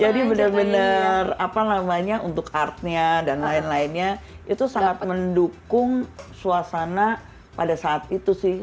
jadi bener bener apa namanya untuk artnya dan lain lainnya itu sangat mendukung suasana pada saat itu sih